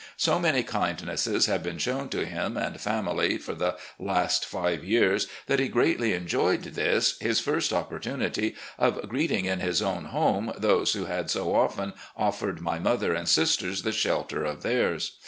So many kindnesses had been shown to himself and family for the last five years that he greatly enjoyed this, his first opportunity of greeting in his own home those who had so often offered my mother and sisters the shelter of theirs.